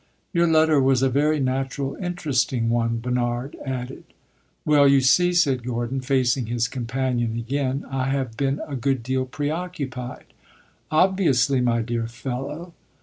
"Your letter was a very natural, interesting one," Bernard added. "Well, you see," said Gordon, facing his companion again, "I have been a good deal preoccupied." "Obviously, my dear fellow!"